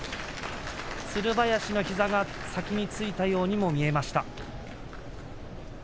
つる林の膝が先についたようにも見えました。